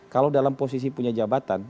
kalau dalam posisi punya jabatan